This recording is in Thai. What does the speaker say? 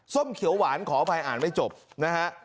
เขียวหวานขออภัยอ่านไม่จบนะฮะ